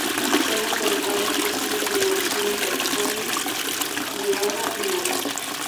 Se han encontrado fósiles en Arizona, California, Nevada y Nebraska.